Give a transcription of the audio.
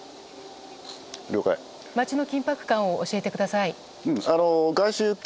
街の緊迫感を教えてください。